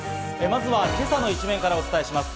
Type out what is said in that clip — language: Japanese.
まずは今朝の一面からお伝えします。